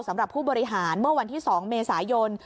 สำหรับผู้บริหารเมื่อวันที่๒เมษายน